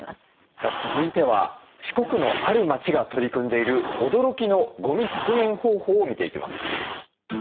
さあ続いては四国のある町が取り組んでいる驚きのゴミ削減方法を見ていきます。